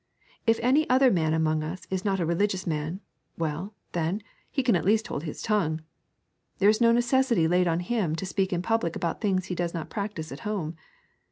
If any other man among us is not a religious man, well, then, he can at least hold his tongue. There is no necessity laid on him to speak in public about things that he does not practise at home.